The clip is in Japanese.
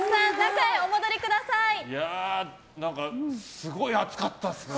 すごい熱かったですね。